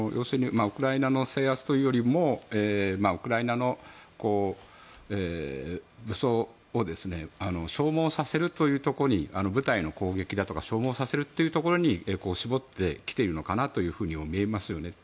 ウクライナの制圧というよりもウクライナの武装を消耗させるというところに部隊の攻撃だとかを消耗させることに絞ってきているのかなというふうに見えますよね。